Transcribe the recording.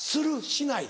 しない？